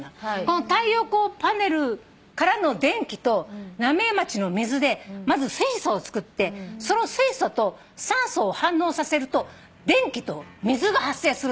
この太陽光パネルからの電気と浪江町の水でまず水素をつくってその水素と酸素を反応させると電気と水が発生するの。